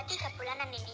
ini dua tiga bulanan ini